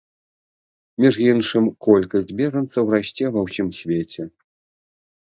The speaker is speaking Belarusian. Між іншым, колькасць бежанцаў расце ва ўсім свеце.